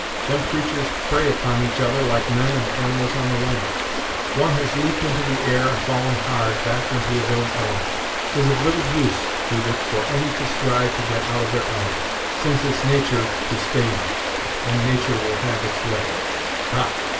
Them creatur's prey upon each other like men and animals on the land; one has leaped into the air and fallen hard, back into his own element. 'Tis of little use Judith, for any to strive to get out of their elements, since it's natur' to stay in 'em, and natur' will have its way. Ha!